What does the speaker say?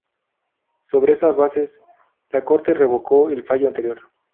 Sobre esas bases, la Corte revocó el fallo anterior.